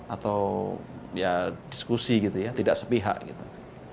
atau ya diskusi gitu ya tidak sepihak gitu